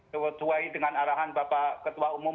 sesuai dengan arahan bapak ketua umum